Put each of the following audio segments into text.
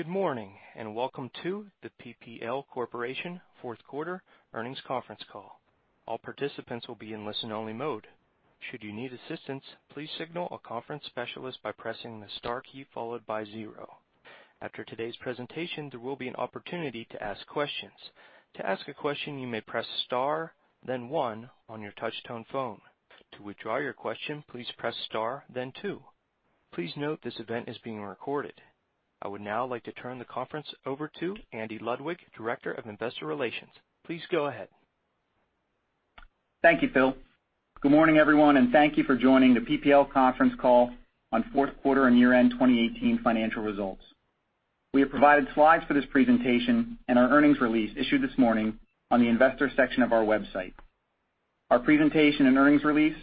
Good morning, welcome to the PPL Corporation fourth quarter earnings conference call. All participants will be in listen-only mode. Should you need assistance, please signal a conference specialist by pressing the star key followed by 0. After today's presentation, there will be an opportunity to ask questions. To ask a question, you may press star, then 1 on your touch-tone phone. To withdraw your question, please press star, then 2. Please note this event is being recorded. I would now like to turn the conference over to Andy Ludwig, Director of Investor Relations. Please go ahead. Thank you, Phil. Good morning, everyone, thank you for joining the PPL conference call on fourth quarter and year-end 2018 financial results. We have provided slides for this presentation and our earnings release issued this morning on the investor section of our website. Our presentation and earnings release,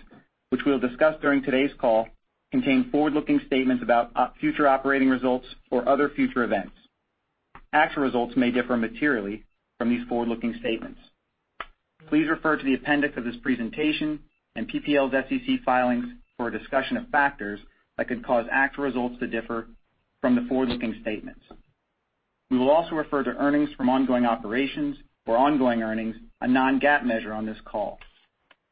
which we will discuss during today's call, contain forward-looking statements about future operating results or other future events. Actual results may differ materially from these forward-looking statements. Please refer to the appendix of this presentation and PPL's SEC filings for a discussion of factors that could cause actual results to differ from the forward-looking statements. We will also refer to earnings from ongoing operations or ongoing earnings, a non-GAAP measure on this call.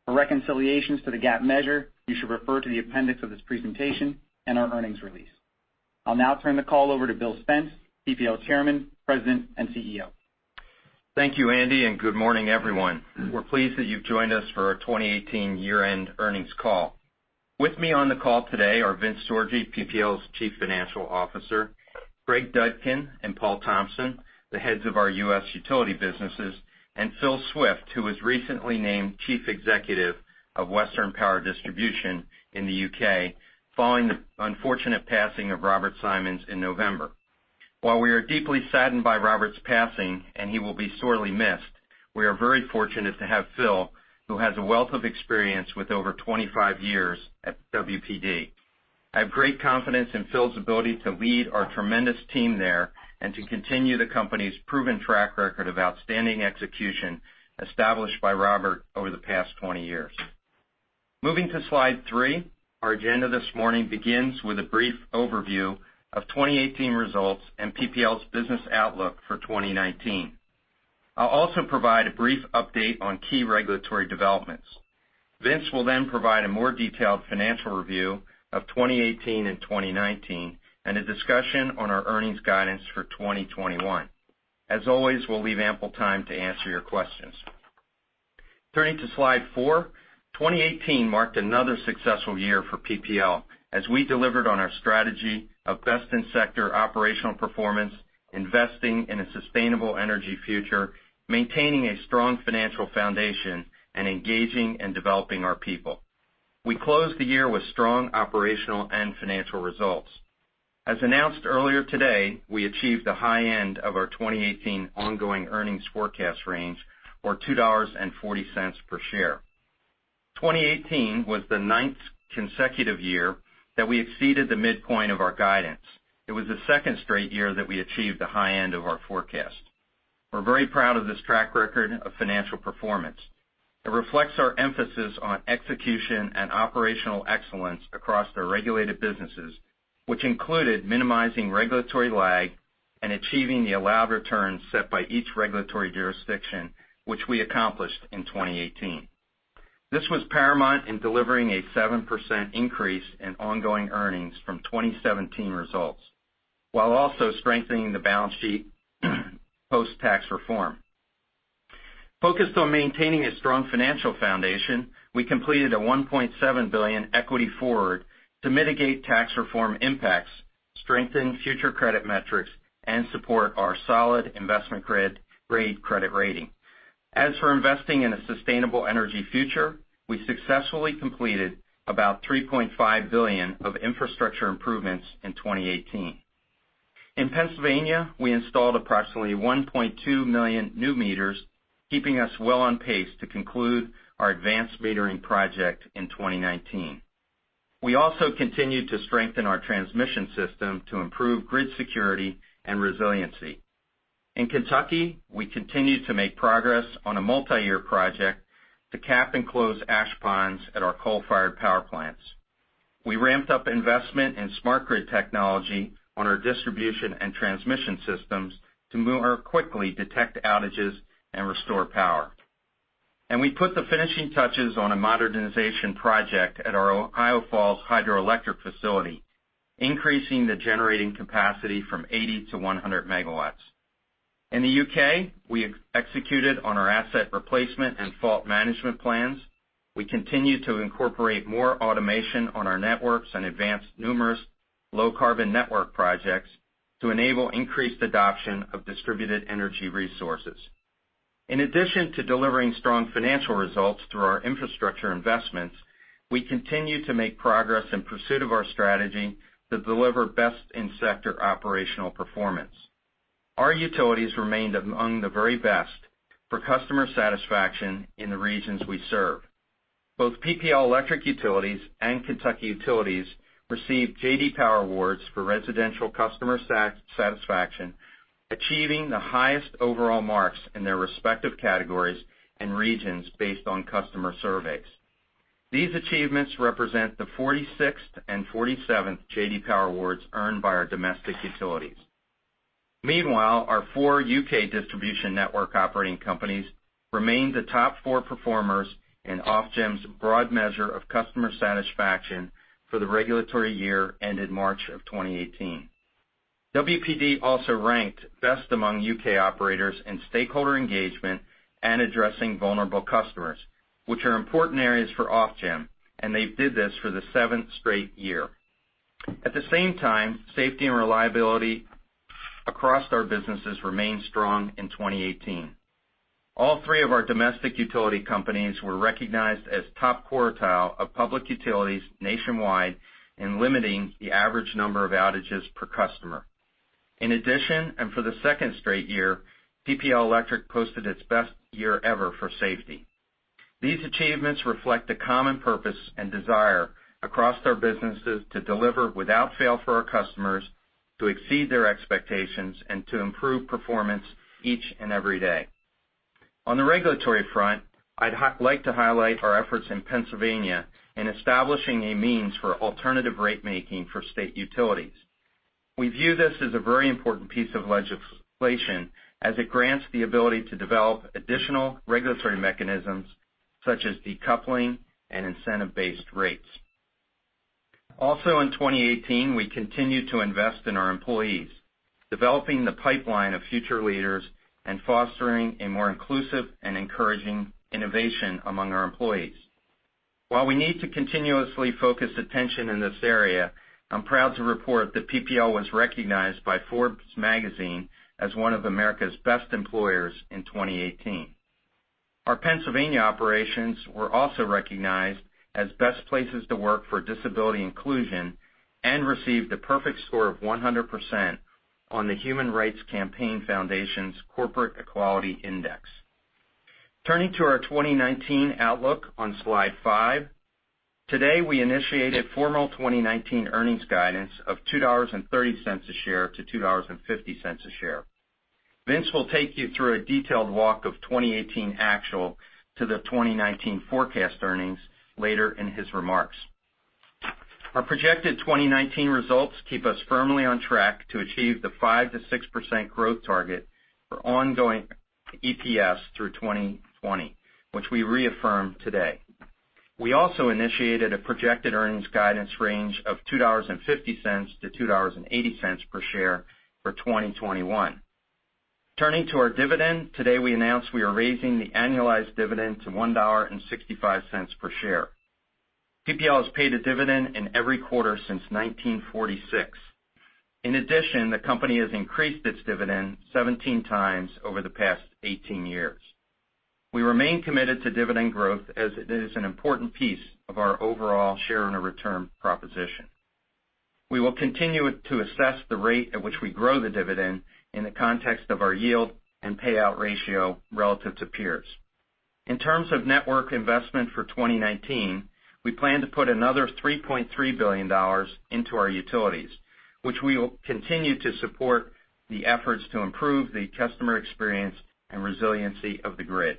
For reconciliations to the GAAP measure, you should refer to the appendix of this presentation and our earnings release. I will now turn the call over to Bill Spence, PPL Chairman, President, and CEO. Thank you, Andy. Good morning, everyone. We are pleased that you have joined us for our 2018 year-end earnings call. With me on the call today are Vince Sorgi, PPL's Chief Financial Officer, Greg Dudkin and Paul Thompson, the heads of our U.S. utility businesses, and Phil Swift, who was recently named Chief Executive of Western Power Distribution in the U.K. following the unfortunate passing of Robert Symons in November. While we are deeply saddened by Robert's passing, he will be sorely missed, we are very fortunate to have Phil, who has a wealth of experience with over 25 years at WPD. I have great confidence in Phil's ability to lead our tremendous team there and to continue the company's proven track record of outstanding execution established by Robert over the past 20 years. Moving to slide three, our agenda this morning begins with a brief overview of 2018 results and PPL's business outlook for 2019. I'll also provide a brief update on key regulatory developments. Vince will then provide a more detailed financial review of 2018 and 2019, and a discussion on our earnings guidance for 2021. As always, we'll leave ample time to answer your questions. Turning to slide four, 2018 marked another successful year for PPL as we delivered on our strategy of best-in-sector operational performance, investing in a sustainable energy future, maintaining a strong financial foundation and engaging and developing our people. We closed the year with strong operational and financial results. As announced earlier today, we achieved the high end of our 2018 ongoing earnings forecast range or $2.40 per share. 2018 was the ninth consecutive year that we exceeded the midpoint of our guidance. It was the second straight year that we achieved the high end of our forecast. We're very proud of this track record of financial performance. It reflects our emphasis on execution and operational excellence across the regulated businesses, which included minimizing regulatory lag and achieving the allowed returns set by each regulatory jurisdiction, which we accomplished in 2018. This was paramount in delivering a 7% increase in ongoing earnings from 2017 results, while also strengthening the balance sheet post-tax reform. Focused on maintaining a strong financial foundation, we completed a $1.7 billion equity forward to mitigate tax reform impacts, strengthen future credit metrics, and support our solid investment grade credit rating. As for investing in a sustainable energy future, we successfully completed about $3.5 billion of infrastructure improvements in 2018. In Pennsylvania, we installed approximately 1.2 million new meters, keeping us well on pace to conclude our advanced metering project in 2019. We also continued to strengthen our transmission system to improve grid security and resiliency. In Kentucky, we continued to make progress on a multi-year project to cap and close ash ponds at our coal-fired power plants. We ramped up investment in smart grid technology on our distribution and transmission systems to more quickly detect outages and restore power. We put the finishing touches on a modernization project at our Ohio Falls hydroelectric facility, increasing the generating capacity from 80-100 megawatts. In the U.K., we executed on our asset replacement and fault management plans. We continued to incorporate more automation on our networks and advanced numerous low-carbon network projects to enable increased adoption of distributed energy resources. In addition to delivering strong financial results through our infrastructure investments, we continue to make progress in pursuit of our strategy to deliver best in sector operational performance. Our utilities remained among the very best for customer satisfaction in the regions we serve. Both PPL Electric Utilities and Kentucky Utilities received J.D. Power Awards for residential customer satisfaction, achieving the highest overall marks in their respective categories and regions based on customer surveys. These achievements represent the 46th and 47th J.D. Power awards earned by our domestic utilities. Meanwhile, our four U.K. distribution network operating companies remain the top four performers in Ofgem's broad measure of customer satisfaction for the regulatory year ended March of 2018. WPD also ranked best among U.K. operators in stakeholder engagement and addressing vulnerable customers, which are important areas for Ofgem, and they did this for the seventh straight year. At the same time, safety and reliability across our businesses remained strong in 2018. All three of our domestic utility companies were recognized as top quartile of public utilities nationwide in limiting the average number of outages per customer. In addition, and for the second straight year, PPL Electric posted its best year ever for safety. These achievements reflect the common purpose and desire across our businesses to deliver without fail for our customers, to exceed their expectations, and to improve performance each and every day. On the regulatory front, I'd like to highlight our efforts in Pennsylvania in establishing a means for alternative rate making for state utilities. We view this as a very important piece of legislation as it grants the ability to develop additional regulatory mechanisms such as decoupling and incentive-based rates. Also in 2018, we continued to invest in our employees, developing the pipeline of future leaders and fostering a more inclusive and encouraging innovation among our employees. While we need to continuously focus attention in this area, I'm proud to report that PPL was recognized by Forbes magazine as one of America's best employers in 2018. Our Pennsylvania operations were also recognized as best places to work for disability inclusion and received a perfect score of 100% on the Human Rights Campaign Foundation's Corporate Equality Index. Turning to our 2019 outlook on slide five. Today, we initiated formal 2019 earnings guidance of $2.30 a share-$2.50 a share. Vince will take you through a detailed walk of 2018 actual to the 2019 forecast earnings later in his remarks. Our projected 2019 results keep us firmly on track to achieve the 5%-6% growth target for ongoing EPS through 2020, which we reaffirm today. We also initiated a projected earnings guidance range of $2.50-$2.80 per share for 2021. Turning to our dividend, today we announced we are raising the annualized dividend to $1.65 per share. PPL has paid a dividend in every quarter since 1946. In addition, the company has increased its dividend 17 times over the past 18 years. We remain committed to dividend growth as it is an important piece of our overall shareowner return proposition. We will continue to assess the rate at which we grow the dividend in the context of our yield and payout ratio relative to peers. In terms of network investment for 2019, we plan to put another $3.3 billion into our utilities, which we will continue to support the efforts to improve the customer experience and resiliency of the grid.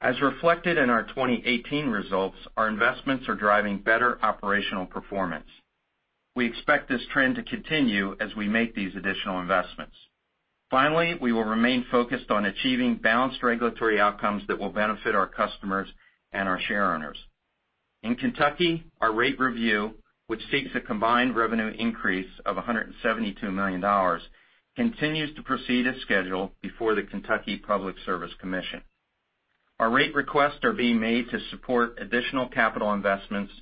As reflected in our 2018 results, our investments are driving better operational performance. We expect this trend to continue as we make these additional investments. Finally, we will remain focused on achieving balanced regulatory outcomes that will benefit our customers and our shareowners. In Kentucky, our rate review, which seeks a combined revenue increase of $172 million, continues to proceed as scheduled before the Kentucky Public Service Commission. Our rate requests are being made to support additional capital investments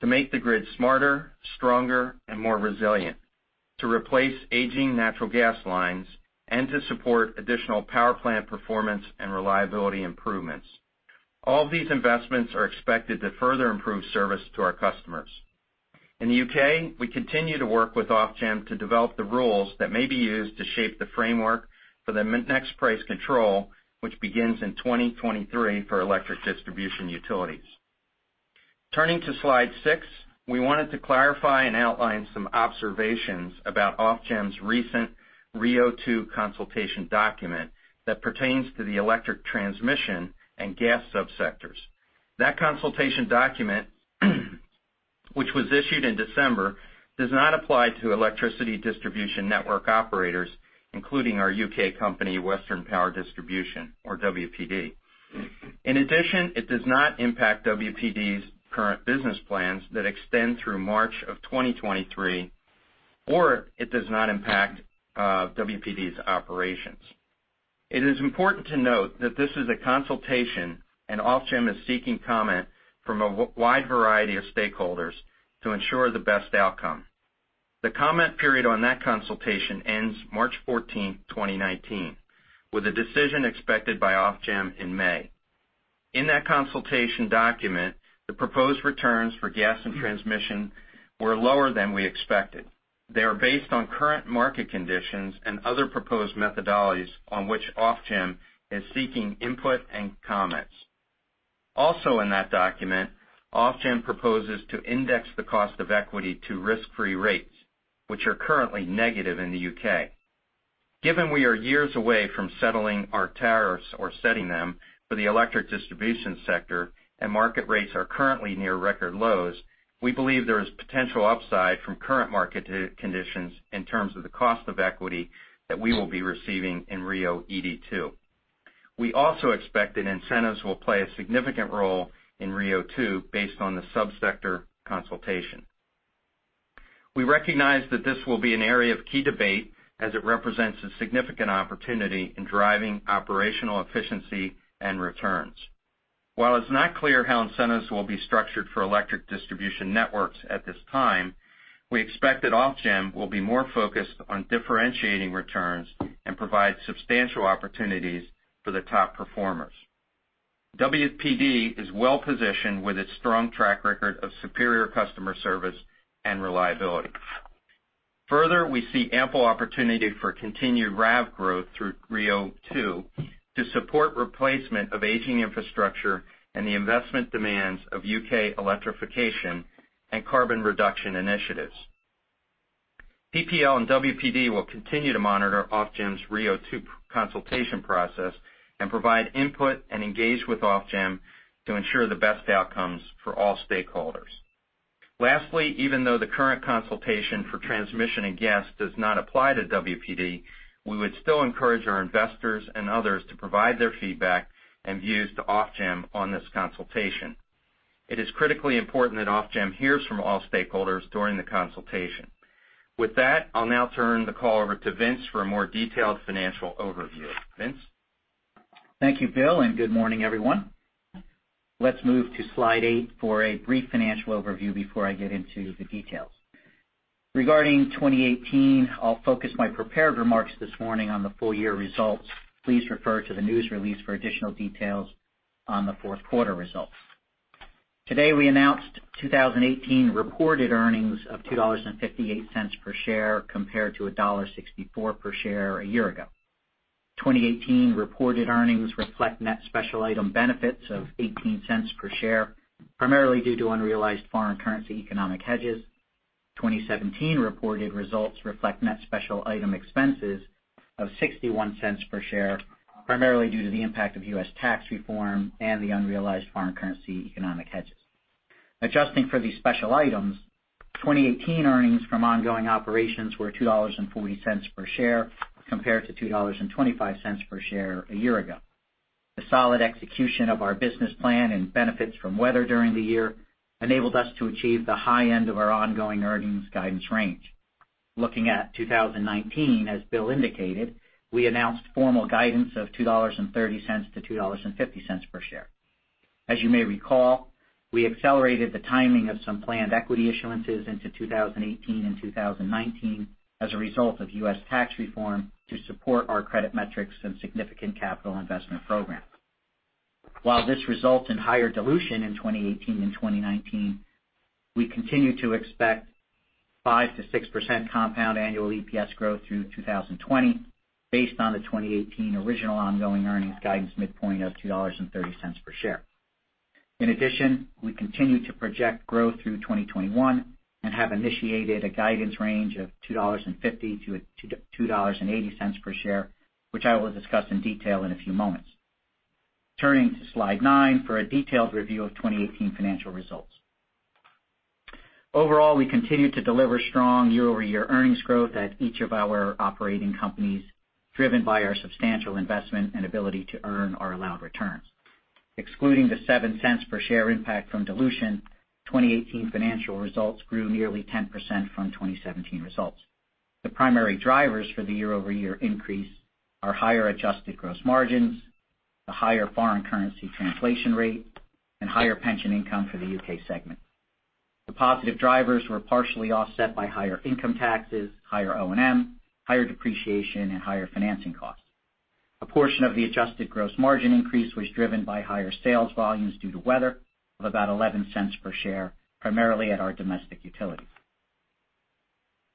to make the grid smarter, stronger, and more resilient, to replace aging natural gas lines, and to support additional power plant performance and reliability improvements. All these investments are expected to further improve service to our customers. In the U.K., we continue to work with Ofgem to develop the rules that may be used to shape the framework for the next price control, which begins in 2023 for electric distribution utilities. Turning to slide six, we wanted to clarify and outline some observations about Ofgem's recent RIIO-2 consultation document that pertains to the electric transmission and gas subsectors. That consultation document, which was issued in December, does not apply to electricity distribution network operators, including our U.K. company, Western Power Distribution, or WPD. In addition, it does not impact WPD's current business plans that extend through March of 2023, or it does not impact WPD's operations. It is important to note that this is a consultation, and Ofgem is seeking comment from a wide variety of stakeholders to ensure the best outcome. The comment period on that consultation ends March 14, 2019, with a decision expected by Ofgem in May. In that consultation document, the proposed returns for gas and transmission were lower than we expected. They are based on current market conditions and other proposed methodologies on which Ofgem is seeking input and comments. Also in that document, Ofgem proposes to index the cost of equity to risk-free rates, which are currently negative in the U.K. Given we are years away from settling our tariffs or setting them for the electric distribution sector and market rates are currently near record lows, we believe there is potential upside from current market conditions in terms of the cost of equity that we will be receiving in RIIO-ED2. We also expect that incentives will play a significant role in RIIO-2 based on the sub-sector consultation. We recognize that this will be an area of key debate as it represents a significant opportunity in driving operational efficiency and returns. While it's not clear how incentives will be structured for electric distribution networks at this time, we expect that Ofgem will be more focused on differentiating returns and provide substantial opportunities for the top performers. WPD is well-positioned with its strong track record of superior customer service and reliability. Further, we see ample opportunity for continued RAV growth through RIIO-2 to support replacement of aging infrastructure and the investment demands of U.K. electrification and carbon reduction initiatives. PPL and WPD will continue to monitor Ofgem's RIIO-2 consultation process and provide input and engage with Ofgem to ensure the best outcomes for all stakeholders. Lastly, even though the current consultation for transmission and gas does not apply to WPD, we would still encourage our investors and others to provide their feedback and views to Ofgem on this consultation. It is critically important that Ofgem hears from all stakeholders during the consultation. With that, I'll now turn the call over to Vince for a more detailed financial overview. Vince? Thank you, Bill, and good morning, everyone. Let's move to slide eight for a brief financial overview before I get into the details. Regarding 2018, I'll focus my prepared remarks this morning on the full-year results. Please refer to the news release for additional details on the fourth quarter results. Today, we announced 2018 reported earnings of $2.58 per share compared to $1.64 per share a year ago. 2018 reported earnings reflect net special item benefits of $0.18 per share, primarily due to unrealized foreign currency economic hedges. 2017 reported results reflect net special item expenses of $0.61 per share, primarily due to the impact of U.S. tax reform and the unrealized foreign currency economic hedges. Adjusting for these special items, 2018 earnings from ongoing operations were $2.40 per share compared to $2.25 per share a year ago. The solid execution of our business plan and benefits from weather during the year enabled us to achieve the high end of our ongoing earnings guidance range. Looking at 2019, as Bill indicated, we announced formal guidance of $2.30-$2.50 per share. As you may recall, we accelerated the timing of some planned equity issuances into 2018 and 2019 as a result of U.S. tax reform to support our credit metrics and significant capital investment program. While this results in higher dilution in 2018 and 2019, we continue to expect 5%-6% compound annual EPS growth through 2020 based on the 2018 original ongoing earnings guidance midpoint of $2.30 per share. In addition, we continue to project growth through 2021 and have initiated a guidance range of $2.50-$2.80 per share, which I will discuss in detail in a few moments. Turning to slide nine for a detailed review of 2018 financial results. Overall, we continued to deliver strong year-over-year earnings growth at each of our operating companies, driven by our substantial investment and ability to earn our allowed returns. Excluding the $0.07 per share impact from dilution, 2018 financial results grew nearly 10% from 2017 results. The primary drivers for the year-over-year increase are higher adjusted gross margins, the higher foreign currency translation rate, and higher pension income for the U.K. segment. The positive drivers were partially offset by higher income taxes, higher O&M, higher depreciation, and higher financing costs. A portion of the adjusted gross margin increase was driven by higher sales volumes due to weather of about $0.11 per share, primarily at our domestic utility.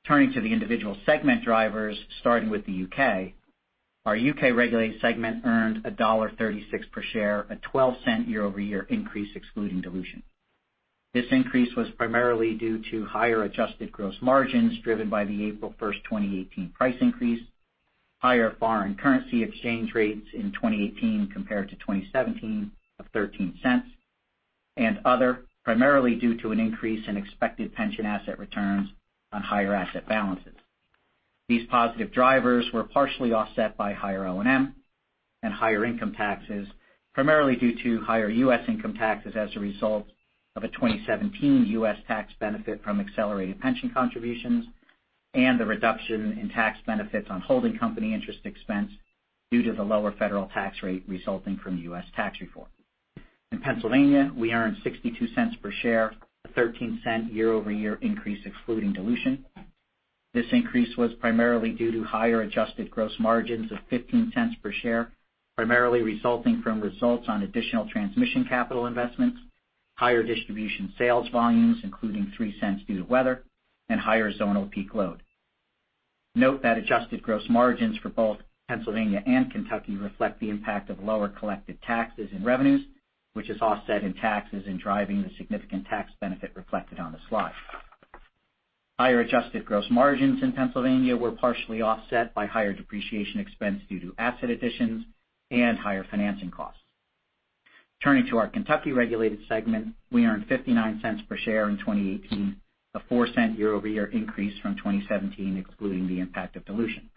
Turning to the individual segment drivers, starting with the U.K. Our U.K. regulated segment earned $1.36 per share, a $0.12 year-over-year increase excluding dilution. This increase was primarily due to higher adjusted gross margins driven by the April 1st, 2018 price increase, higher foreign currency exchange rates in 2018 compared to 2017 of $0.13, and other, primarily due to an increase in expected pension asset returns on higher asset balances. These positive drivers were partially offset by higher O&M and higher income taxes, primarily due to higher U.S. income taxes as a result of a 2017 U.S. tax benefit from accelerated pension contributions and the reduction in tax benefits on holding company interest expense due to the lower federal tax rate resulting from the U.S. tax reform. In Pennsylvania, we earned $0.62 per share, a $0.13 year-over-year increase excluding dilution. This increase was primarily due to higher adjusted gross margins of $0.15 per share, primarily resulting from returns on additional transmission capital investments, higher distribution sales volumes, including $0.03 due to weather, and higher zonal peak load. Note that adjusted gross margins for both Pennsylvania and Kentucky reflect the impact of lower collected taxes and revenues, which is offset in taxes and driving the significant tax benefit reflected on the slide. Higher adjusted gross margins in Pennsylvania were partially offset by higher depreciation expense due to asset additions and higher financing costs. Turning to our Kentucky regulated segment, we earned $0.59 per share in 2018, a $0.04 year-over-year increase from 2017, excluding the impact of dilution.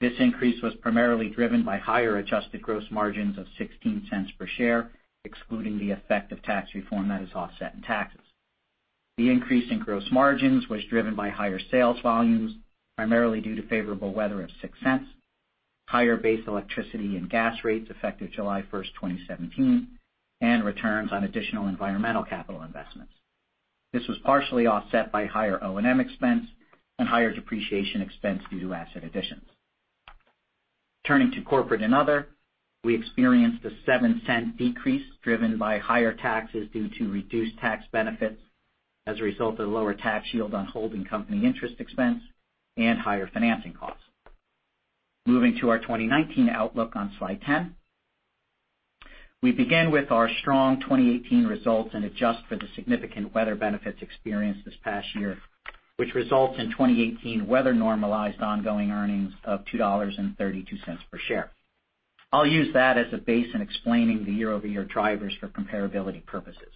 This increase was primarily driven by higher adjusted gross margins of $0.16 per share, excluding the effect of tax reform that is offset in taxes. The increase in gross margins was driven by higher sales volumes, primarily due to favorable weather of $0.06, higher base electricity and gas rates effective July 1st, 2017, and returns on additional environmental capital investments. This was partially offset by higher O&M expense and higher depreciation expense due to asset additions. Turning to corporate and other, we experienced a $0.07 decrease driven by higher taxes due to reduced tax benefits as a result of lower tax yield on holding company interest expense and higher financing costs. Moving to our 2019 outlook on slide 10. We begin with our strong 2018 results and adjust for the significant weather benefits experienced this past year, which results in 2018 weather-normalized ongoing earnings of $2.32 per share. I'll use that as a base in explaining the year-over-year drivers for comparability purposes.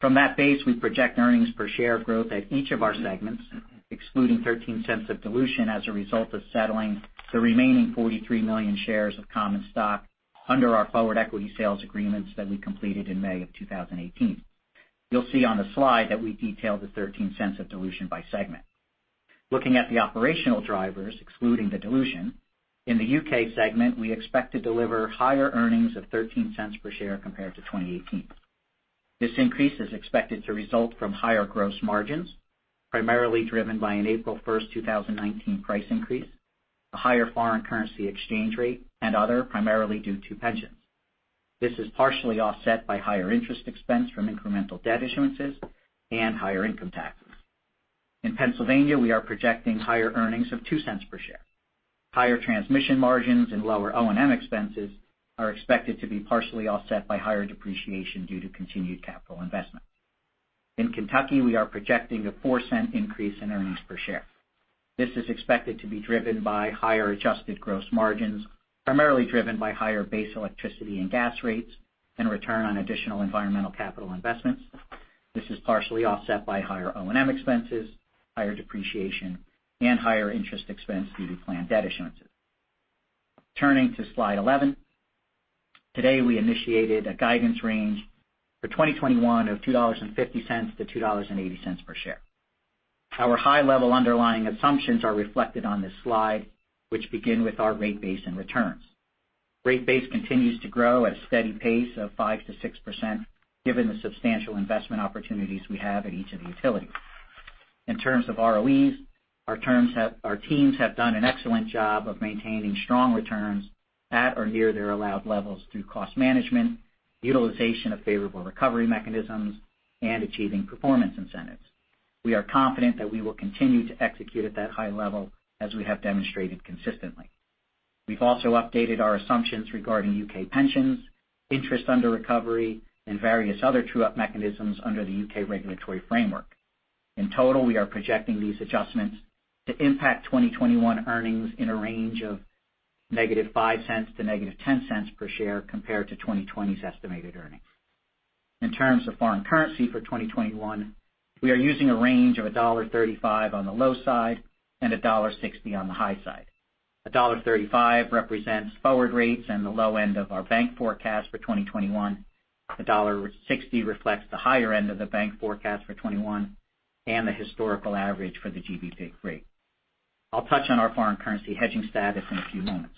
From that base, we project earnings per share growth at each of our segments, excluding $0.13 of dilution as a result of settling the remaining 43 million shares of common stock under our forward equity sales agreements that we completed in May of 2018. You'll see on the slide that we detail the $0.13 of dilution by segment. Looking at the operational drivers, excluding the dilution, in the U.K. segment, we expect to deliver higher earnings of $0.13 per share compared to 2018. This increase is expected to result from higher gross margins, primarily driven by an April 1st, 2019 price increase, a higher foreign currency exchange rate, and other, primarily due to pensions. This is partially offset by higher interest expense from incremental debt issuances and higher income taxes. In Pennsylvania, we are projecting higher earnings of $0.02 per share. Higher transmission margins and lower O&M expenses are expected to be partially offset by higher depreciation due to continued capital investments. In Kentucky, we are projecting a $0.04 increase in earnings per share. This is expected to be driven by higher adjusted gross margins, primarily driven by higher base electricity and gas rates and return on additional environmental capital investments. This is partially offset by higher O&M expenses, higher depreciation, and higher interest expense due to planned debt issuances. Turning to slide 11. Today, we initiated a guidance range for 2021 of $2.50-$2.80 per share. Our high-level underlying assumptions are reflected on this slide, which begin with our rate base and returns. Rate base continues to grow at a steady pace of 5%-6% given the substantial investment opportunities we have at each of the utilities. In terms of ROEs, our teams have done an excellent job of maintaining strong returns at or near their allowed levels through cost management, utilization of favorable recovery mechanisms, and achieving performance incentives. We are confident that we will continue to execute at that high level as we have demonstrated consistently. We've also updated our assumptions regarding U.K. pensions, interest under recovery, and various other true-up mechanisms under the U.K. regulatory framework. In total, we are projecting these adjustments to impact 2021 earnings in a range of negative $0.05 to negative $0.10 per share compared to 2020's estimated earnings. In terms of foreign currency for 2021, we are using a range of $1.35 on the low side and $1.60 on the high side. $1.35 represents forward rates and the low end of our bank forecast for 2021. $1.60 reflects the higher end of the bank forecast for 2021 and the historical average for the GBP rate. I'll touch on our foreign currency hedging status in a few moments.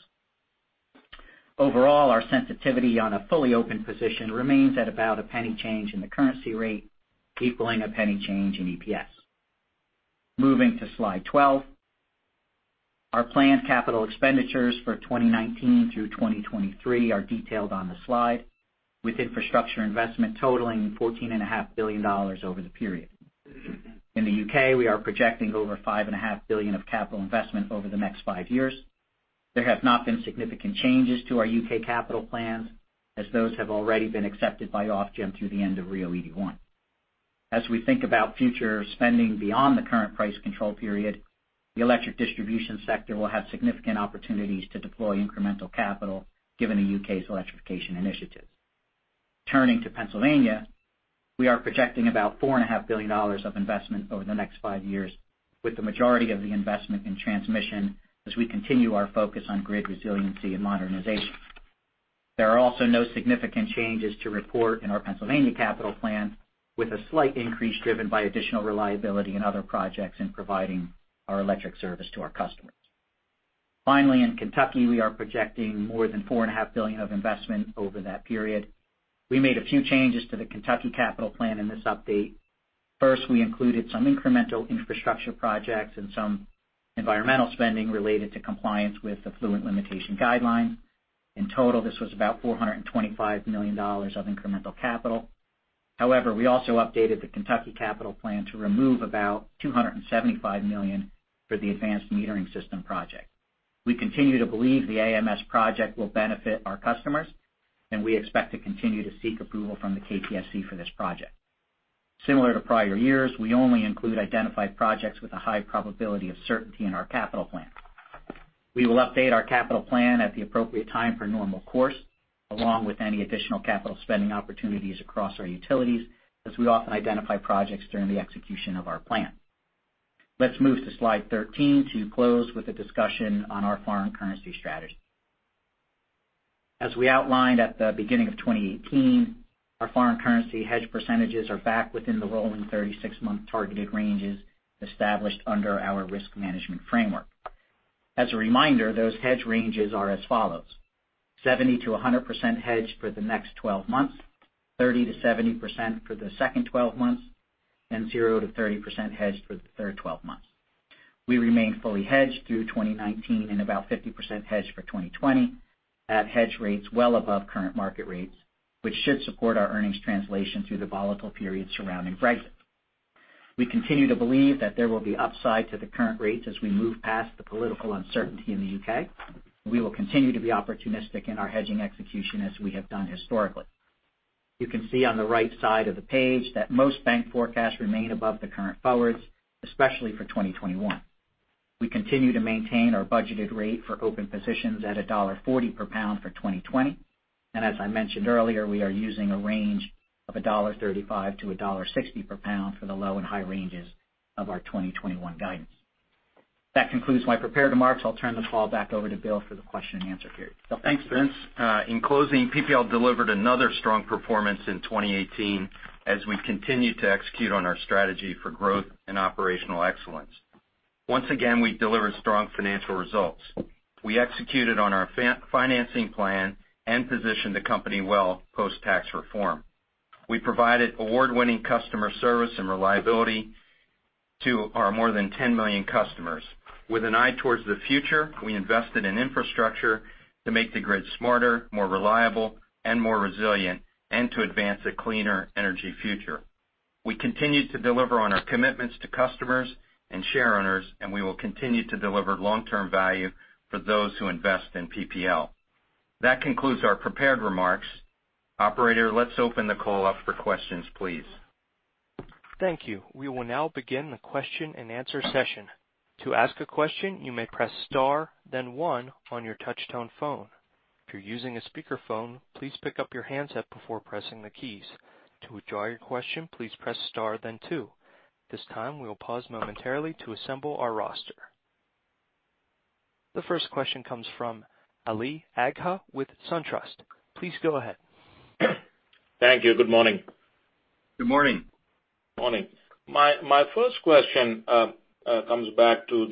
Overall, our sensitivity on a fully open position remains at about a $0.01 change in the currency rate, equaling a $0.01 change in EPS. Moving to slide 12. Our planned capital expenditures for 2019 through 2023 are detailed on the slide with infrastructure investment totaling $14.5 billion over the period. In the U.K., we are projecting over $5.5 billion of capital investment over the next five years. There have not been significant changes to our U.K. capital plans as those have already been accepted by Ofgem through the end of RIIO-ED1. As we think about future spending beyond the current price control period, the electric distribution sector will have significant opportunities to deploy incremental capital given the U.K.'s electrification initiatives. Turning to Pennsylvania, we are projecting about $4.5 billion of investment over the next five years with the majority of the investment in transmission as we continue our focus on grid resiliency and modernization. There are also no significant changes to report in our Pennsylvania capital plan with a slight increase driven by additional reliability and other projects in providing our electric service to our customers. Finally, in Kentucky, we are projecting more than $4.5 billion of investment over that period. We made a few changes to the Kentucky Capital Plan in this update. First, we included some incremental infrastructure projects and some environmental spending related to compliance with the effluent limitation guidelines. In total, this was about $425 million of incremental capital. However, we also updated the Kentucky Capital Plan to remove about $275 million for the advanced metering system project. We continue to believe the AMS project will benefit our customers, and we expect to continue to seek approval from the KPSC for this project. Similar to prior years, we only include identified projects with a high probability of certainty in our capital plan. We will update our capital plan at the appropriate time for normal course, along with any additional capital spending opportunities across our utilities, as we often identify projects during the execution of our plan. Let's move to slide 13 to close with a discussion on our foreign currency strategy. As we outlined at the beginning of 2018, our foreign currency hedge percentages are back within the rolling 36-month targeted ranges established under our risk management framework. As a reminder, those hedge ranges are as follows: 70%-100% hedged for the next 12 months, 30%-70% for the second 12 months, and 0%-30% hedged for the third 12 months. We remain fully hedged through 2019 and about 50% hedged for 2020 at hedge rates well above current market rates, which should support our earnings translation through the volatile period surrounding Brexit. We continue to believe that there will be upside to the current rates as we move past the political uncertainty in the U.K. We will continue to be opportunistic in our hedging execution as we have done historically. You can see on the right side of the page that most bank forecasts remain above the current forwards, especially for 2021. We continue to maintain our budgeted rate for open positions at GBP 1.40 per pound for 2020. As I mentioned earlier, we are using a range of GBP 1.35-GBP 1.60 per pound for the low and high ranges of our 2021 guidance. That concludes my prepared remarks. I will turn the call back over to Bill for the question and answer period. Bill? Thanks, Vince. In closing, PPL delivered another strong performance in 2018 as we continue to execute on our strategy for growth and operational excellence. Once again, we delivered strong financial results. We executed on our financing plan and positioned the company well post-tax reform. We provided award-winning customer service and reliability to our more than 10 million customers. With an eye towards the future, we invested in infrastructure to make the grid smarter, more reliable, and more resilient, and to advance a cleaner energy future. We continue to deliver on our commitments to customers and shareowners. We will continue to deliver long-term value for those who invest in PPL. That concludes our prepared remarks. Operator, let's open the call up for questions, please. Thank you. We will now begin the question and answer session. To ask a question, you may press star then one on your touch-tone phone. If you're using a speakerphone, please pick up your handset before pressing the keys. To withdraw your question, please press star then two. This time, we will pause momentarily to assemble our roster. The first question comes from Ali Agha with SunTrust. Please go ahead. Thank you. Good morning. Good morning. Morning. My first question comes back to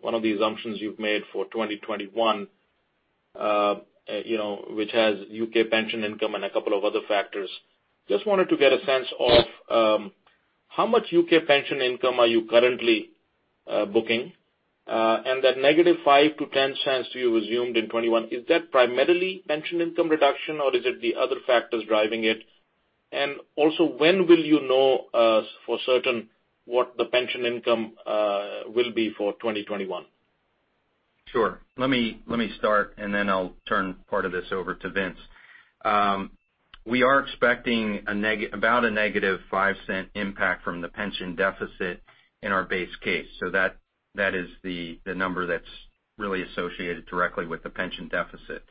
one of the assumptions you've made for 2021, which has U.K. pension income and a couple of other factors. Just wanted to get a sense of how much U.K. pension income are you currently booking? That negative $0.05 to -$0.10 you assumed in 2021, is that primarily pension income reduction, or is it the other factors driving it? Also, when will you know for certain what the pension income will be for 2021? Sure. Let me start, and then I'll turn part of this over to Vince. We are expecting about a -$0.05 impact from the pension deficit in our base case. That is the number that's really associated directly with the pension deficit.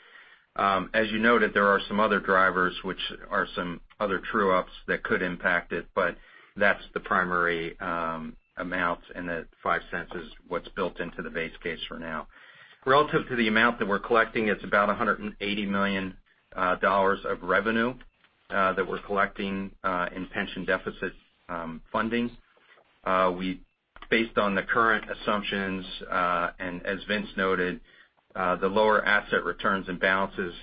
As you noted, there are some other drivers, which are some other true-ups that could impact it, but that's the primary amount, and the $0.05 is what's built into the base case for now. Relative to the amount that we're collecting, it's about $180 million of revenue that we're collecting in pension deficit funding. Based on the current assumptions, and as Vince noted, the lower asset returns and balances,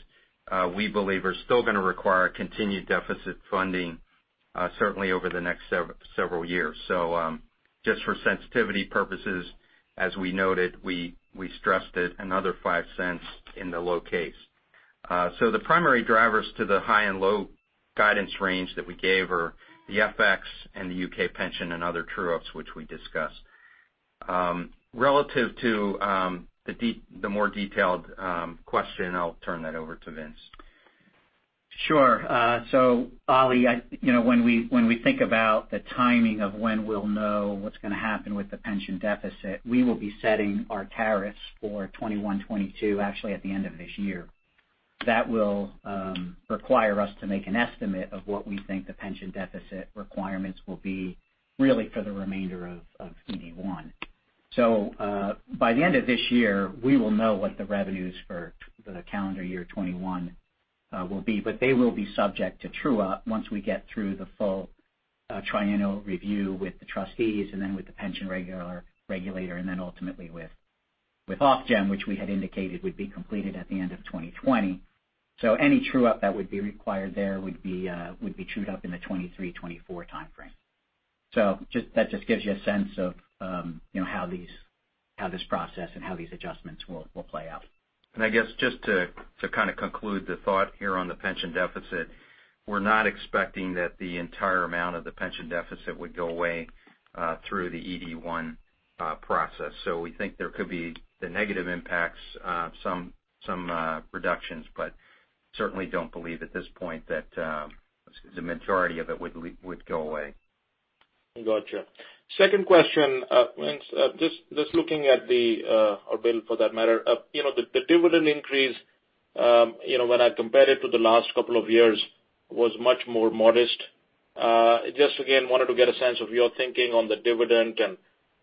we believe are still going to require a continued deficit funding, certainly over the next several years. Just for sensitivity purposes, as we noted, we stressed it another $0.05 in the low case. The primary drivers to the high and low guidance range that we gave are the FX and the U.K. pension and other true-ups, which we discussed. Relative to the more detailed question, I will turn that over to Vince. Sure. Ali, when we think about the timing of when we will know what is going to happen with the pension deficit, we will be setting our tariffs for 2021, 2022, actually at the end of this year. That will require us to make an estimate of what we think the pension deficit requirements will be really for the remainder of ED1. By the end of this year, we will know what the revenues for the calendar year 2021 will be, but they will be subject to true-up once we get through the full triennial review with the trustees and then with the pension regulator, and then ultimately with Ofgem, which we had indicated would be completed at the end of 2020. Any true-up that would be required there would be trued up in the 2023, 2024 timeframe. That just gives you a sense of how this process and how these adjustments will play out. I guess just to kind of conclude the thought here on the pension deficit. We are not expecting that the entire amount of the pension deficit would go away through the ED1 process. We think there could be the negative impacts, some reductions, but certainly don't believe at this point that the majority of it would go away. Got you. Second question. Vince, just looking at the, or Bill for that matter, the dividend increase, when I compare it to the last couple of years, was much more modest. Just again, wanted to get a sense of your thinking on the dividend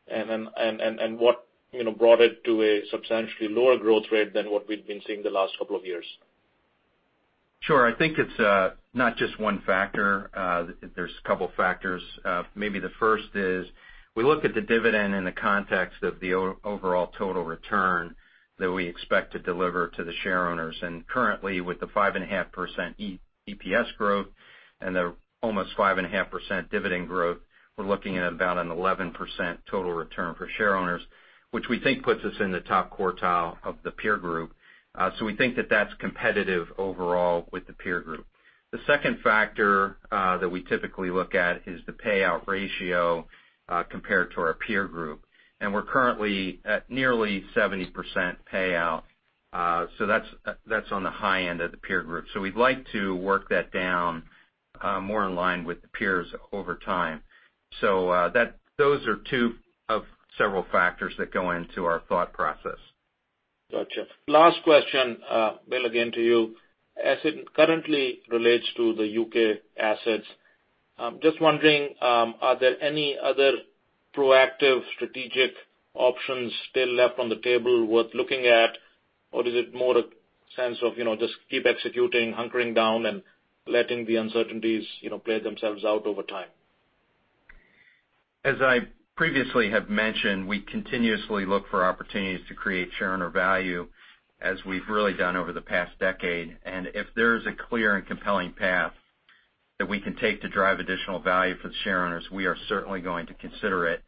and what brought it to a substantially lower growth rate than what we've been seeing the last couple of years. Sure. I think it's not just one factor. There's a couple factors. Maybe the first is we look at the dividend in the context of the overall total return that we expect to deliver to the shareowners. Currently, with the 5.5% EPS growth and the almost 5.5% dividend growth, we're looking at about an 11% total return for shareowners, which we think puts us in the top quartile of the peer group. We think that that's competitive overall with the peer group. The second factor that we typically look at is the payout ratio compared to our peer group. We're currently at nearly 70% payout. That's on the high end of the peer group. We'd like to work that down more in line with the peers over time. Those are two of several factors that go into our thought process. Got you. Last question. Bill, again, to you. As it currently relates to the U.K. assets, just wondering, are there any other proactive strategic options still left on the table worth looking at? Is it more a sense of just keep executing, hunkering down, and letting the uncertainties play themselves out over time? As I previously have mentioned, we continuously look for opportunities to create shareowner value as we've really done over the past decade. If there is a clear and compelling path that we can take to drive additional value for the shareowners, we are certainly going to consider it,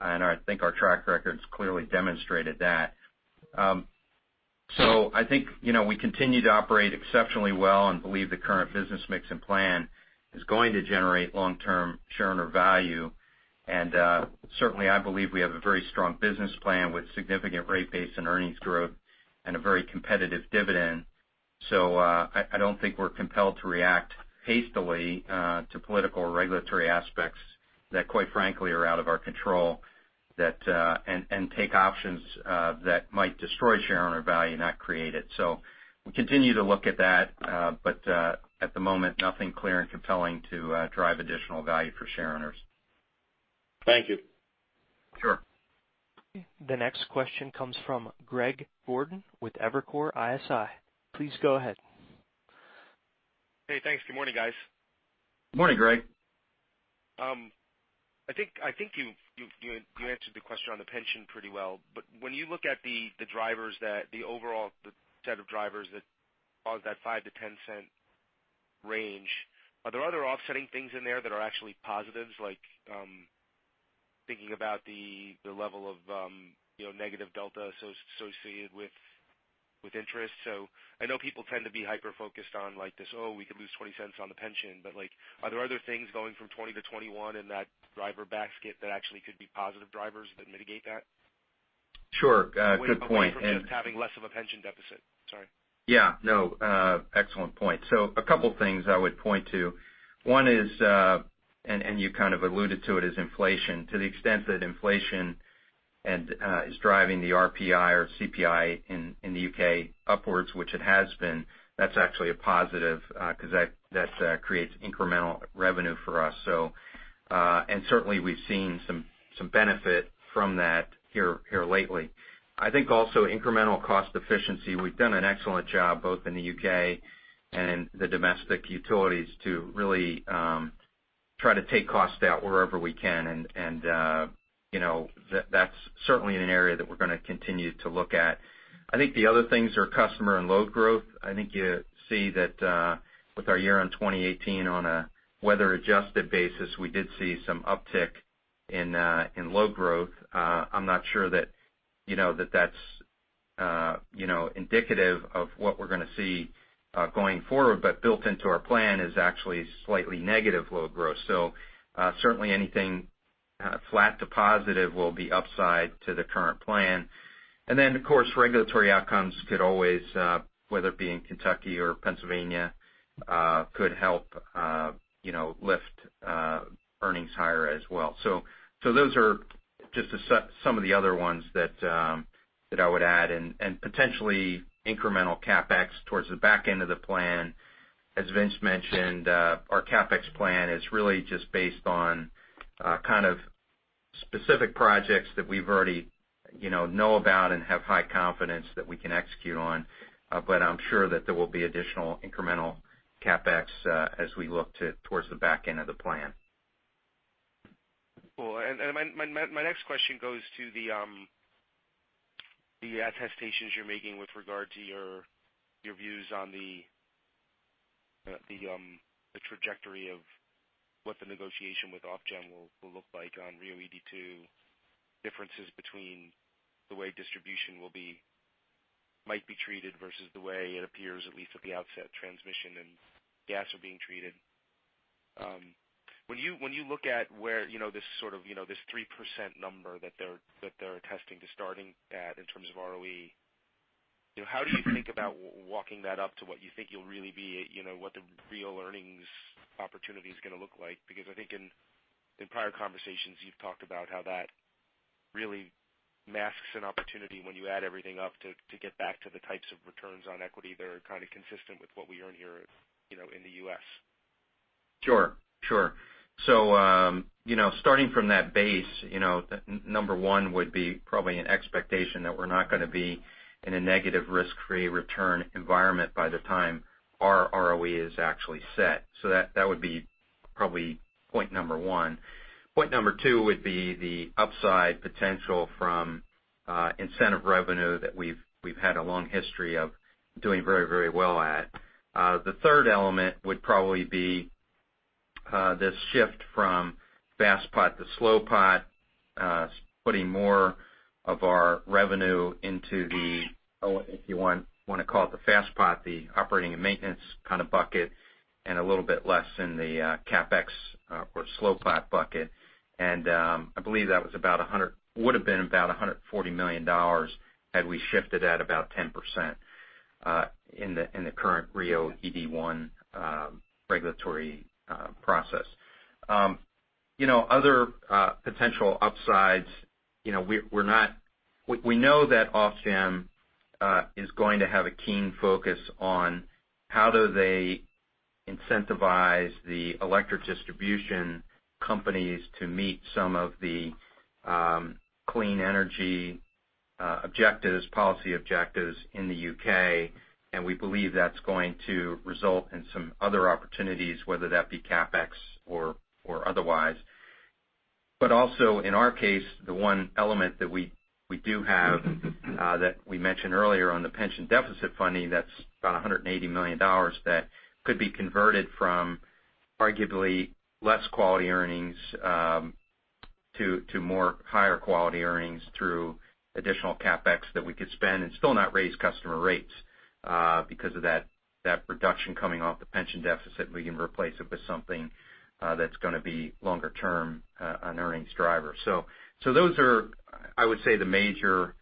and I think our track record's clearly demonstrated that. I think, we continue to operate exceptionally well and believe the current business mix and plan is going to generate long-term shareowner value. Certainly, I believe we have a very strong business plan with significant rate base and earnings growth and a very competitive dividend. I don't think we're compelled to react hastily to political or regulatory aspects that, quite frankly, are out of our control and take options that might destroy shareowner value, not create it. We continue to look at that. At the moment, nothing clear and compelling to drive additional value for shareowners. Thank you. Sure. The next question comes from Greg Gordon with Evercore ISI. Please go ahead. Hey, thanks. Good morning, guys. Good morning, Greg. I think you answered the question on the pension pretty well. When you look at the overall set of drivers that cause that $0.05-$0.10 range, are there other offsetting things in there that are actually positives, like thinking about the level of negative delta associated with interest? I know people tend to be hyper-focused on this, "Oh, we could lose $0.20 on the pension." Are there other things going from 2020 to 2021 in that driver basket that actually could be positive drivers that mitigate that? Sure. Good point. Way of looking from just having less of a pension deficit. Sorry. No. Excellent point. A couple things I would point to. One is, and you kind of alluded to it, is inflation. To the extent that inflation is driving the RPI or CPI in the U.K. upwards, which it has been, that's actually a positive because that creates incremental revenue for us. Certainly, we've seen some benefit from that here lately. I think also incremental cost efficiency. We've done an excellent job both in the U.K. and in the domestic utilities to really try to take cost out wherever we can, and that's certainly an area that we're going to continue to look at. I think the other things are customer and load growth. I think you see that with our year-end 2018 on a weather-adjusted basis, we did see some uptick in load growth. I'm not sure that's indicative of what we're going to see going forward. Built into our plan is actually slightly negative load growth. Certainly anything flat to positive will be upside to the current plan. Then, of course, regulatory outcomes could always, whether it be in Kentucky or Pennsylvania, could help lift earnings higher as well. Those are just some of the other ones that I would add and potentially incremental CapEx towards the back end of the plan. As Vince mentioned, our CapEx plan is really just based on kind of specific projects that we've already know about and have high confidence that we can execute on. I'm sure that there will be additional incremental CapEx as we look towards the back end of the plan. Cool. My next question goes to the attestations you're making with regard to your views on the trajectory of what the negotiation with Ofgem will look like on RIIO-ED2, differences between the way distribution will be might be treated versus the way it appears, at least at the outset, transmission and gas are being treated. When you look at this 3% number that they're testing to starting at in terms of ROE, how do you think about walking that up to what you think what the real earnings opportunity is going to look like? I think in prior conversations, you've talked about how that really masks an opportunity when you add everything up to get back to the types of returns on equity that are kind of consistent with what we earn here in the U.S. Sure. Starting from that base, number 1 would be probably an expectation that we're not going to be in a negative risk-free return environment by the time our ROE is actually set. That would be probably point number 1. Point number 2 would be the upside potential from incentive revenue that we've had a long history of doing very well at. The third element would probably be this shift from fast pot to slow pot, putting more of our revenue into the, if you want to call it the fast pot, the operating and maintenance kind of bucket, and a little bit less in the CapEx or slow pot bucket. I believe that would have been about $140 million had we shifted at about 10% in the current RIIO-ED1 regulatory process. Other potential upsides, we know that Ofgem is going to have a keen focus on how do they incentivize the electric distribution companies to meet some of the clean energy policy objectives in the U.K. We believe that's going to result in some other opportunities, whether that be CapEx or otherwise. Also, in our case, the one element that we do have that we mentioned earlier on the pension deficit funding, that's about $180 million that could be converted from arguably less quality earnings to more higher quality earnings through additional CapEx that we could spend and still not raise customer rates. Because of that reduction coming off the pension deficit, we can replace it with something that's going to be longer term, an earnings driver. Those are, I would say, the major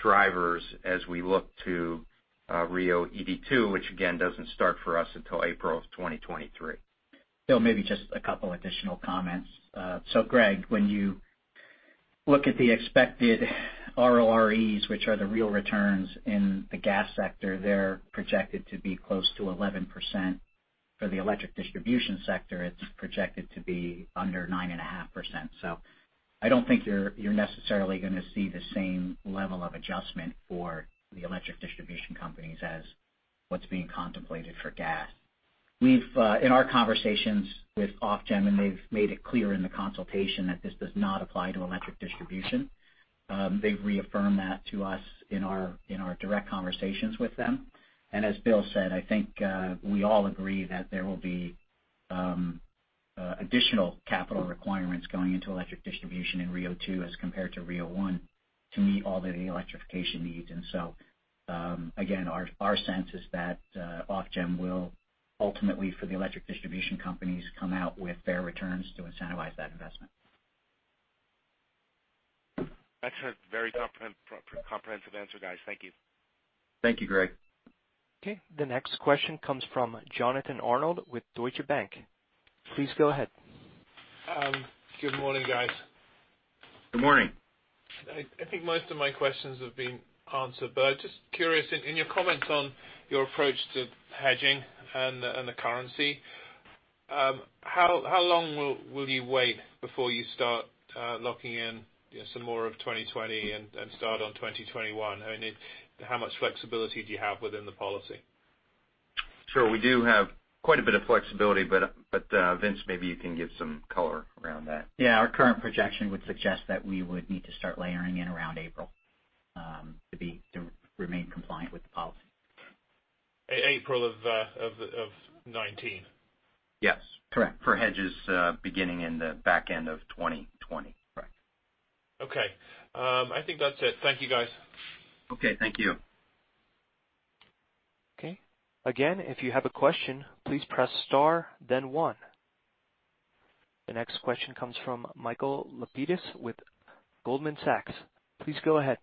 drivers as we look to RIIO-ED2, which again, doesn't start for us until April of 2023. Bill, maybe just a couple additional comments. Greg, when you look at the expected RoREs, which are the real returns in the gas sector, they're projected to be close to 11%. For the electric distribution sector, it's projected to be under 9.5%. I don't think you're necessarily going to see the same level of adjustment for the electric distribution companies as what's being contemplated for gas. In our conversations with Ofgem, they've made it clear in the consultation that this does not apply to electric distribution. They've reaffirmed that to us in our direct conversations with them. As Bill said, I think we all agree that there will be additional capital requirements going into electric distribution in RIIO2 as compared to RIIO-1 to meet all the electrification needs. Again, our sense is that Ofgem will ultimately, for the electric distribution companies, come out with fair returns to incentivize that investment. That's a very comprehensive answer, guys. Thank you. Thank you, Greg. The next question comes from Jonathan Arnold with Deutsche Bank. Please go ahead. Good morning, guys. Good morning. I think most of my questions have been answered, just curious, in your comments on your approach to hedging and the currency, how long will you wait before you start locking in some more of 2020 and start on 2021? How much flexibility do you have within the policy? Sure. We do have quite a bit of flexibility, Vince, maybe you can give some color around that. Yeah. Our current projection would suggest that we would need to start layering in around April to remain compliant with the policy. April of 2019? Yes. Correct. For hedges beginning in the back end of 2020. Correct. Okay. I think that's it. Thank you, guys. Okay, thank you. Okay. Again, if you have a question, please press star then one. The next question comes from Michael Lapides with Goldman Sachs. Please go ahead.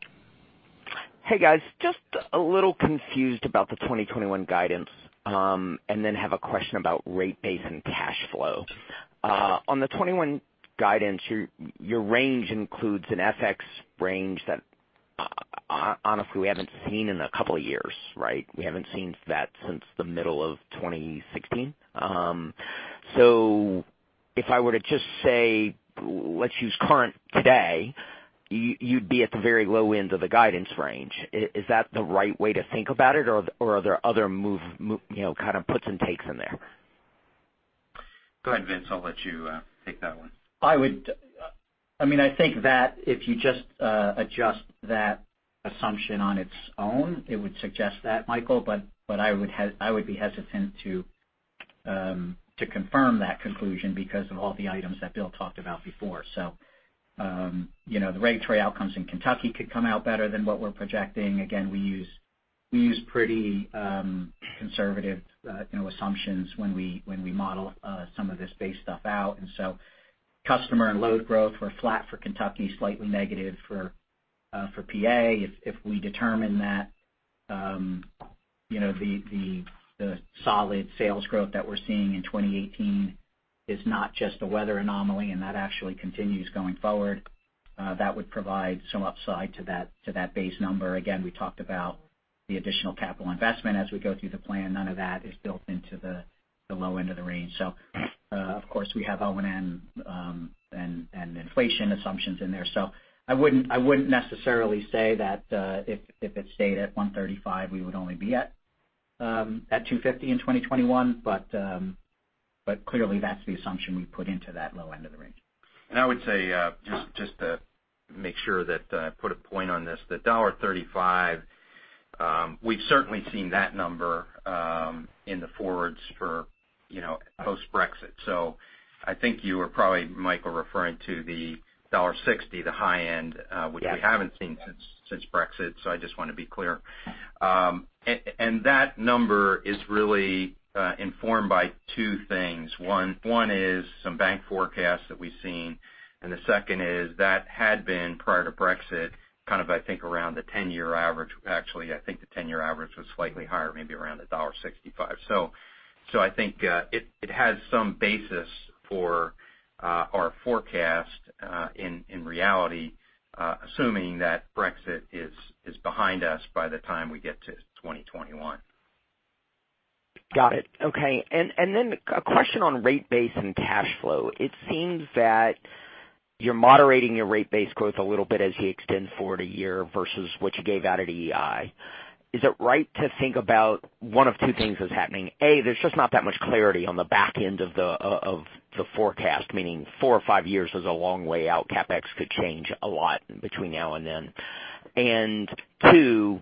Hey, guys. Just a little confused about the 2021 guidance, then have a question about rate base and cash flow. On the 2021 guidance, your range includes an FX range that, honestly, we haven't seen in a couple of years, right? We haven't seen that since the middle of 2016. If I were to just say, let's use current today, you'd be at the very low end of the guidance range. Is that the right way to think about it, or are there other kind of puts and takes in there? Go ahead, Vince. I'll let you take that one. I think that if you just adjust that assumption on its own, it would suggest that, Michael, but I would be hesitant to confirm that conclusion because of all the items that Bill talked about before. The regulatory outcomes in Kentucky could come out better than what we're projecting. Again, we use pretty conservative assumptions when we model some of this base stuff out. Customer and load growth were flat for Kentucky, slightly negative for PA. If we determine that the solid sales growth that we're seeing in 2018 is not just a weather anomaly and that actually continues going forward, that would provide some upside to that base number. Again, we talked about the additional capital investment as we go through the plan. None of that is built into the low end of the range. Of course, we have O&M and inflation assumptions in there. I wouldn't necessarily say that if it stayed at 1.35, we would only be at $2.50 in 2021. Clearly that's the assumption we put into that low end of the range. I would say, just to make sure that I put a point on this, the $1.35, we've certainly seen that number in the forwards for post-Brexit. I think you were probably, Michael, referring to the $1.60. Yes which we haven't seen since Brexit, so I just want to be clear. That number is really informed by two things. One is some bank forecasts that we've seen, and the second is that had been prior to Brexit, kind of I think around the 10-year average. Actually, I think the 10-year average was slightly higher, maybe around $1.65. I think it has some basis for our forecast in reality, assuming that Brexit is behind us by the time we get to 2021. Got it. Okay. Then a question on rate base and cash flow. It seems that you're moderating your rate base growth a little bit as you extend forward a year versus what you gave out at EEI. Is it right to think about one of two things is happening? A, there's just not that much clarity on the back end of the forecast, meaning four or five years is a long way out. CapEx could change a lot between now and then. Two,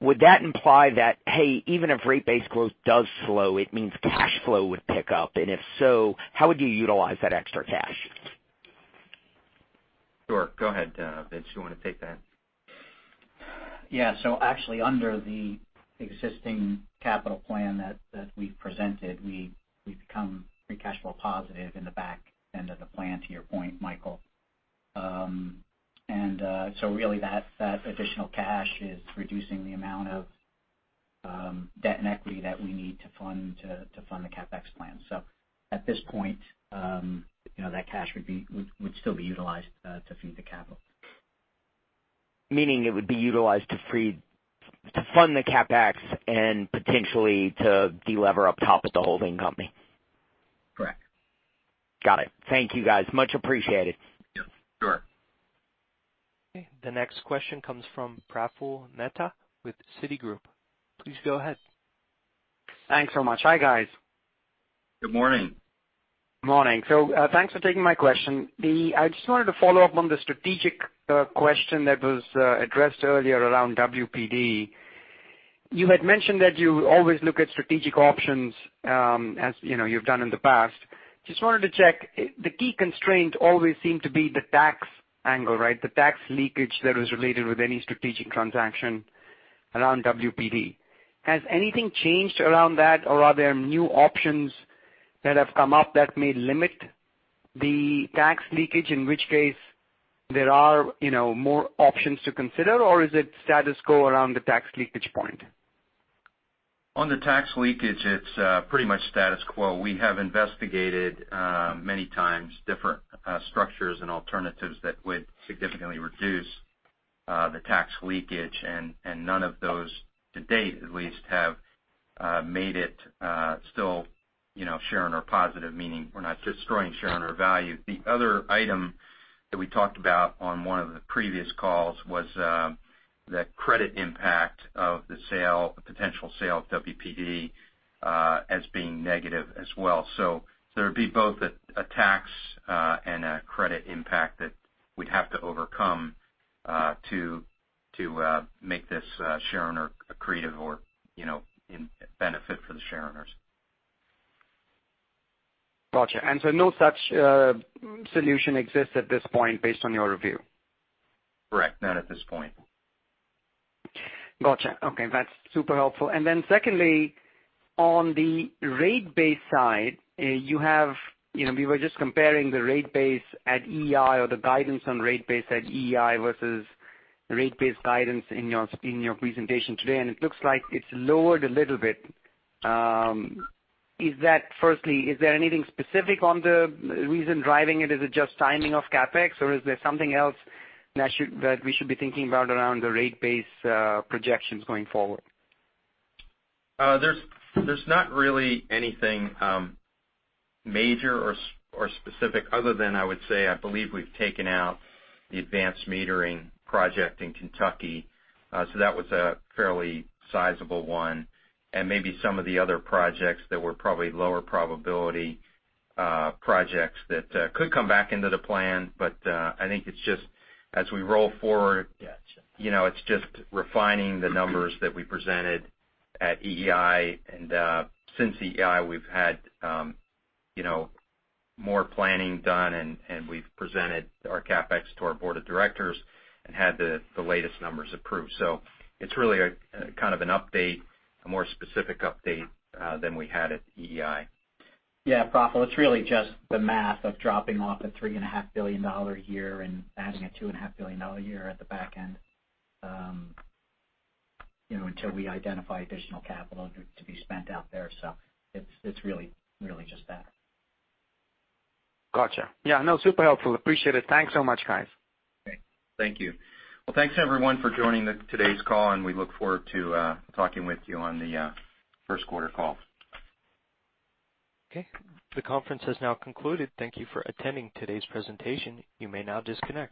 would that imply that, hey, even if rate base growth does slow, it means cash flow would pick up? If so, how would you utilize that extra cash? Sure. Go ahead, Vince, you want to take that? Yeah. Actually under the existing capital plan that we've presented, we've become free cash flow positive in the back end of the plan, to your point, Michael. Really that additional cash is reducing the amount of debt and equity that we need to fund the CapEx plan. At this point, that cash would still be utilized to feed the capital. Meaning it would be utilized to fund the CapEx and potentially to de-lever up top at the holding company. Correct. Got it. Thank you, guys. Much appreciated. Yeah. Sure. Okay, the next question comes from Praful Mehta with Citigroup. Please go ahead. Thanks so much. Hi, guys. Good morning. Morning. Thanks for taking my question. I just wanted to follow up on the strategic question that was addressed earlier around WPD. You had mentioned that you always look at strategic options, as you've done in the past. Just wanted to check, the key constraint always seemed to be the tax angle, right? The tax leakage that was related with any strategic transaction around WPD. Has anything changed around that or are there new options that have come up that may limit the tax leakage, in which case there are more options to consider? Or is it status quo around the tax leakage point? On the tax leakage, it's pretty much status quo. We have investigated many times different structures and alternatives that would significantly reduce the tax leakage, and none of those, to date at least, have made it still shareholder positive, meaning we're not destroying shareholder value. The other item that we talked about on one of the previous calls was the credit impact of the potential sale of WPD as being negative as well. There would be both a tax and a credit impact that we'd have to overcome to make this shareholder accretive or benefit for the shareholders. Got you. No such solution exists at this point based on your review? Correct. Not at this point. Got you. Okay. That's super helpful. Secondly, on the rate base side, we were just comparing the rate base at EEI or the guidance on rate base at EEI versus rate base guidance in your presentation today, it looks like it's lowered a little bit. Firstly, is there anything specific on the reason driving it? Is it just timing of CapEx or is there something else that we should be thinking about around the rate base projections going forward? There's not really anything major or specific other than, I would say, I believe we've taken out the advanced metering project in Kentucky. That was a fairly sizable one, and maybe some of the other projects that were probably lower probability projects that could come back into the plan. I think it's just as we roll forward. Got you. It's just refining the numbers that we presented at EEI. Since EEI, we've had more planning done, and we've presented our CapEx to our board of directors and had the latest numbers approved. It's really kind of an update, a more specific update than we had at EEI. Yeah. Praful, it's really just the math of dropping off a $3.5 billion year and adding a $2.5 billion year at the back end, until we identify additional capital to be spent out there. It's really just that. Got you. Yeah, no, super helpful. Appreciate it. Thanks so much, guys. Okay. Thank you. Well, thanks everyone for joining today's call and we look forward to talking with you on the first quarter call. Okay. The conference has now concluded. Thank you for attending today's presentation. You may now disconnect.